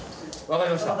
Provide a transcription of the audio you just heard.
わかりました。